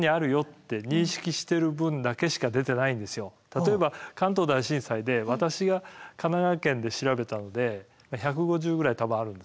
例えば関東大震災で私が神奈川県で調べたので１５０ぐらい多分あるんですけど３分の１も出てないんです。